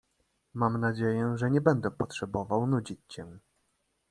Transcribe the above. "Mam nadzieję, że nie będę potrzebował nudzić cię."